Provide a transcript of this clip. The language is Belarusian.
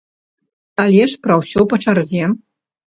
Але ж пра ўсё па чарзе.